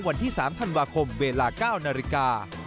วันที่๓ธันวาคมเวลา๙นาฬิกา